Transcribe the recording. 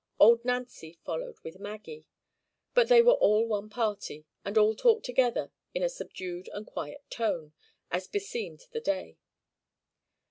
Old Nancy followed with Maggie; but they were all one party, and all talked together in a subdued and quiet tone, as beseemed the day.